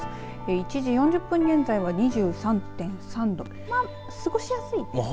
１時４０分現在は２３．３度過ごしやすいですね。